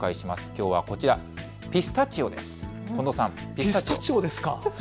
きょうはこちら、ピスタチオです。